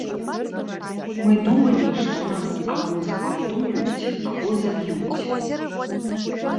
Мы думалі, што нас або згвалтуюць або заб'юць.